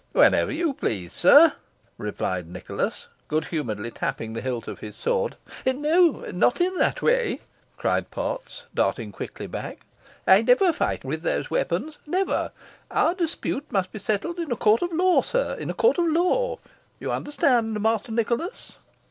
"Whenever you please, sir," replied Nicholas, good humouredly, tapping the hilt of his sword. "Not in that way," cried Potts, darting quickly back. "I never fight with those weapons never. Our dispute must be settled in a court of law, sir in a court of law. You understand, Master Nicholas?"